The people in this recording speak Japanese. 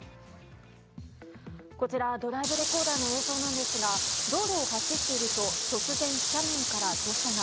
こちら、ドライブレコーダーの映像なんですが道路を走っていると突然、斜面から土砂が。